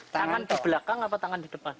tangan di belakang apa tangan di depan